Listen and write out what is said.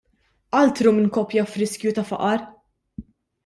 Altru minn koppja f'riskju ta' faqar!